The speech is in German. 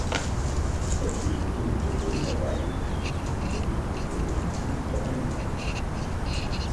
Etliche Zünfte wurden dabei in die Kategorie der nicht historischen Zünfte eingeordnet.